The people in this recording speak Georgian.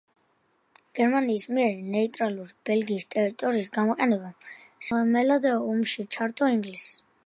გერმანიის მიერ ნეიტრალური ბელგიის ტერიტორიის გამოყენებამ საფრანგეთზე თავდასასხმელად ომში ჩართო ინგლისი.